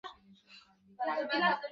খারাপ এটাই লাগছে যে, আজ তা করা গেলো না।